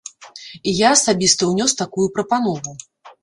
І я асабіста ўнёс такую прапанову.